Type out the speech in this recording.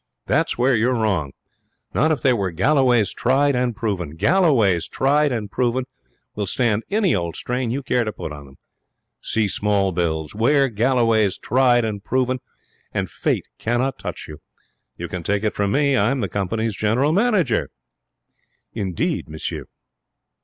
'That's where you're wrong. Not if they were Galloway's Tried and Proven. Galloway's Tried and Proven will stand any old strain you care to put on them. See small bills. Wear Galloway's Tried and Proven, and fate cannot touch you. You can take it from me. I'm the company's general manager.' 'Indeed, monsieur!'